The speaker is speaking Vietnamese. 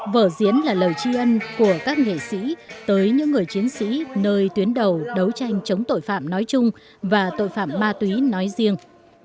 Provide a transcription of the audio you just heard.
vở diễn là lời tri ân của các nghệ sĩ tới những người chiến sĩ nơi tuyến đầu đấu tranh chống tội phạm nói chung và tội phạm ma túy nói riêng